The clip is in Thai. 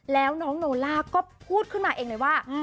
แล้วน้องโนล่าก็พูดขึ้นมาเองเลยว่า